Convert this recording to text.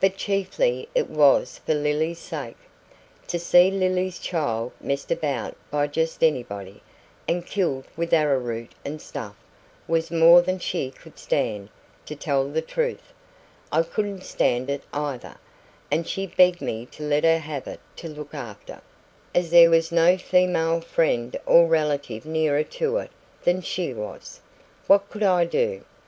But chiefly it was for Lily's sake. To see Lily's child messed about by just anybody, and killed with arrowroot and stuff, was more than she could stand to tell the truth, I couldn't stand it either and she begged me to let her have it to look after, as there was no female friend or relative nearer to it than she was. What COULD I do?